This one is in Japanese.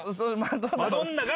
マドンナが？